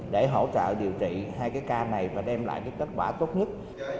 để hỗ trợ điều trị hai ca này và đem lại kết quả tốt nhất